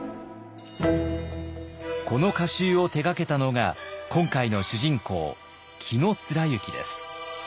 この歌集を手がけたのが今回の主人公紀貫之です。